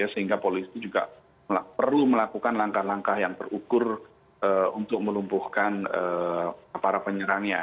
sehingga polisi juga perlu melakukan langkah langkah yang terukur untuk melumpuhkan para penyerangnya